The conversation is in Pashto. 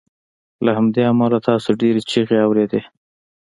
له همدې امله تاسو ډیرې چیغې اوریدې